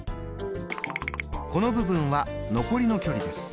この部分は残りの距離です。